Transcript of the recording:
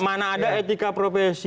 mana ada etika profesi